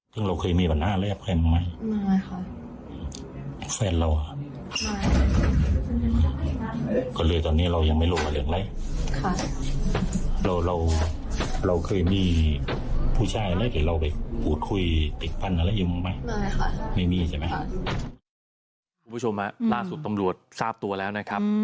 ทุกผู้ชมเกิดเพิ่มลูกฯประชาบตัวนะครับ